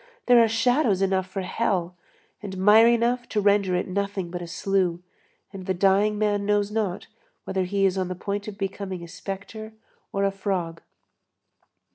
There are shadows enough for hell, and mire enough to render it nothing but a slough, and the dying man knows not whether he is on the point of becoming a spectre or a frog.